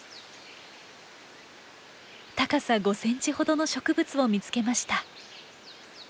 高さ５センチほどの植物を見つけました。